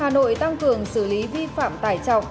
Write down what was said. hà nội tăng cường xử lý vi phạm tải trọng